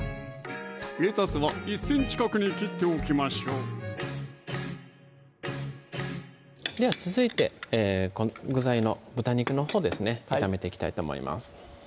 レタスは１ｃｍ角に切っておきましょうでは続いて具材の豚肉のほうですね炒めていきたいと思います